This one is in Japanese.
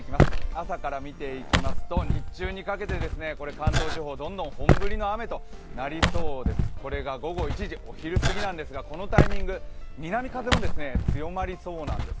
朝から見ていきますと日中にかけて関東地方、どんどん本降りの雨となりそうです、これが午後１時、お昼過ぎなんですが、このタイミング、南風も強まりそうなんです。